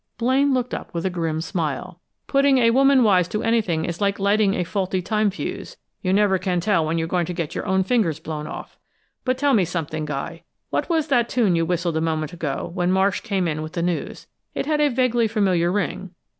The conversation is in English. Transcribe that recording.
Blaine looked up with a grim smile. "Putting a woman wise to anything is like lighting a faulty time fuse: you never can tell when you're going to get your own fingers blown off! But tell me something, Guy. What was that tune you whistled a moment ago, when Marsh came in with the news? It had a vaguely familiar ring."